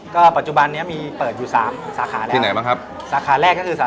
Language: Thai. ก็ปัจจุบัณมีเปิดอยู่๓สาขาแล้วสาขาแรกก็คือ